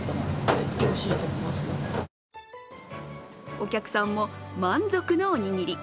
お客さんも満足のおにぎり。